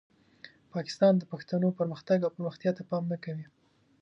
پاکستان د پښتنو پرمختګ او پرمختیا ته پام نه کوي.